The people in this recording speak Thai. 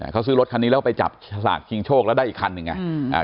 เขาซื้อรถคันนี้แล้วไปจับศาสตร์คิงโชคแล้วได้อีกคันหนึ่งไง